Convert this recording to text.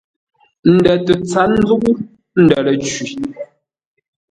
Ndə̂ tə tsát nzúʼú, ndə̂ ləcwî.